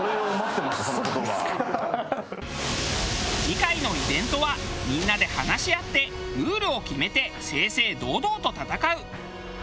次回のイベントはみんなで話し合ってルールを決めて正々堂々と戦う。